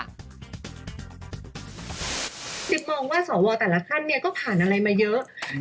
ติ๊บมองว่าสอวอลแต่ละขั้นเนี่ยก็ผ่านอะไรมาเยอะ